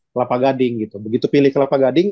kelapa gading gitu begitu pilih kelapa gading